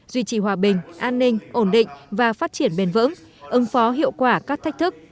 duy trì hòa bình an ninh ổn định và phát triển bền vững ứng phó hiệu quả các thách thức